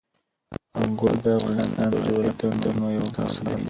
انګور د افغانستان د جغرافیوي تنوع یو مثال دی.